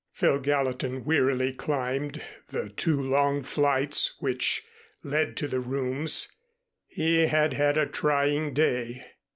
Phil Gallatin wearily climbed the two long flights which led to the rooms. He had had a trying day.